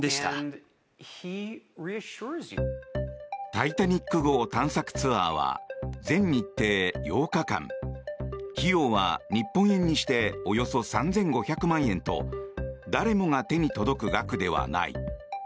「タイタニック号」探索ツアーは全日程８日間費用は日本円にしておよそ３５００万円と誰もが手に届く額ではない。